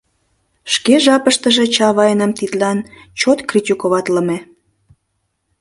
Шке жапыштыже Чавайным тидлан чот критиковатлыме.